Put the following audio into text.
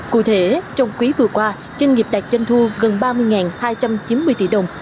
cụ thể trong quý vừa qua doanh nghiệp đạt doanh thu gần ba mươi hai trăm chín mươi tỷ đồng